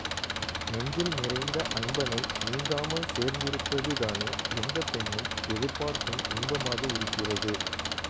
நெஞ்சில் நிறைந்த அன்பனை நீங்காமல் சேர்ந்திருப்பதுதானே எந்தப் பெண்ணும், எதிர்பார்க்கும் இன்பமாக இருக்கிறது!